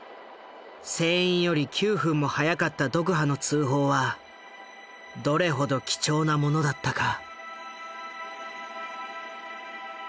船員より９分も早かったドクハの通報はどれほど貴重なものだったか。